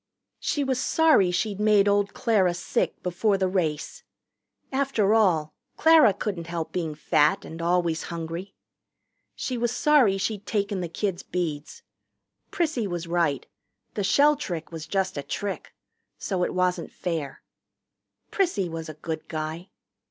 She was sorry she'd made old Clara sick before the race. After all, Clara couldn't help being fat and always hungry. She was sorry she'd taken the kids' beads. Prissy was right the shell trick was just a trick. So it wasn't fair. Prissy was a good guy.